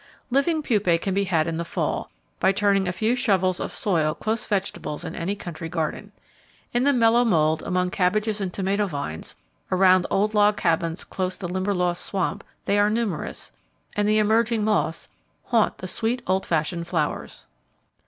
Living pupae can be had in the fall, by turning a few shovels of soil close vegetables in any country garden. In the mellow mould, among cabbages and tomato vines, around old log cabins close the Limberlost swamp, they are numerous, and the emerging moths haunt the sweet old fashioned flowers.